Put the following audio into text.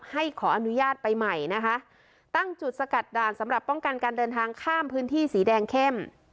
ขออนุญาตไปใหม่นะคะตั้งจุดสกัดด่านสำหรับป้องกันการเดินทางข้ามพื้นที่สีแดงเข้ม